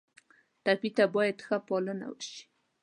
ټپي ته باید ښه پالنه وشي.